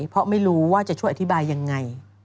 เพราะไม่รู้ว่าจะช่วยอธิบายยังไง